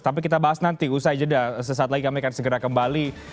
tapi kita bahas nanti usai jeda sesaat lagi kami akan segera kembali